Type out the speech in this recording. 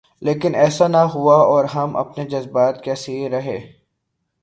لیکن ایسا نہ ہوا اور ہم اپنے جذبات کے اسیر رہے۔